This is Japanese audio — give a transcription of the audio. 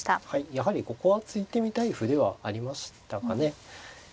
やはりここは突いてみたい歩ではありましたかね。